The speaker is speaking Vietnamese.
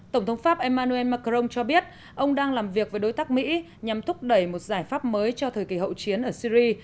tổng thống pháp emmanuel macron cho biết ông đang làm việc với đối tác mỹ nhằm thúc đẩy một giải pháp mới cho thời kỳ hậu chiến ở syri